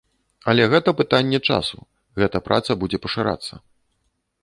Але гэта пытанне часу, гэта праца будзе пашырацца.